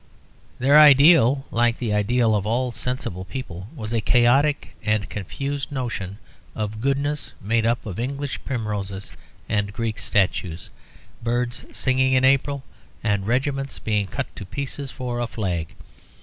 Their ideal, like the ideal of all sensible people, was a chaotic and confused notion of goodness made up of English primroses and Greek statues, birds singing in April, and regiments being cut to pieces for a flag.